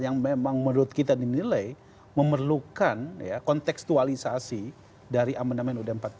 yang memang menurut kita dinilai memerlukan kontekstualisasi dari amandemen ud empat puluh